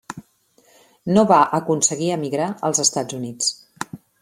No va aconseguir emigrar als Estats Units.